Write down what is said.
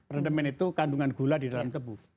rendemen itu kandungan gula di dalam tebu